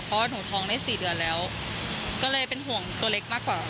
เพราะว่าหนูท้องได้๔เดือนแล้วก็เลยเป็นห่วงตัวเล็กมากกว่า